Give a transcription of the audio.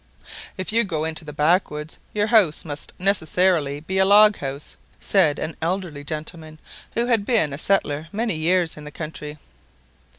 "If you go into the backwoods your house must necessarily be a log house," said an elderly gentleman, who had been a settler many years in the country.